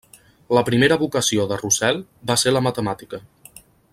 La primera vocació de Roussel va ser la matemàtica.